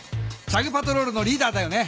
チャグ・パトロールのリーダーだよね。